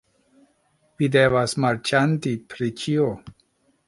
Vi devas marĉandi pri ĉio